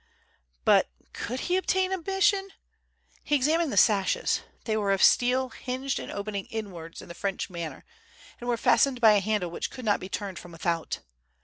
But could he obtain admission? He examined the sashes. They were of steel, hinged and opening inwards in the French manner, and were fastened by a handle which could not be turned from without.